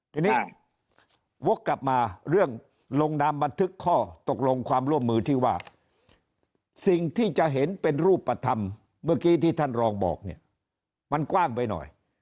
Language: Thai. ทีนี้วกกลับมาเรื่องลงนามบันทึกข้อตกลงความร่วมมือที่ว่าสิ่งที่จะเห็นเป็นรูปธรรมเมื่อกี้ที่ท่านรองบอกเนี่ยมันกว้างไปหน่อย